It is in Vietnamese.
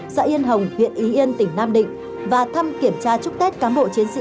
dạ yên hồng huyện y yên tỉnh nam định và thăm kiểm tra chúc tết cám bộ chiến sĩ